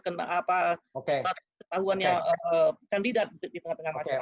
tingkat ketahuan yang candidat di tengah tengah masyarakat